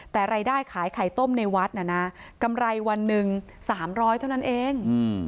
แต่รายได้ขายไข่ต้มในวัดน่ะนะกำไรวันหนึ่ง๓๐๐เท่านั้นเอง